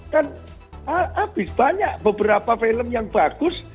kan habis banyak beberapa film yang bagus